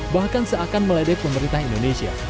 bahkan seakan meledek pemerintah indonesia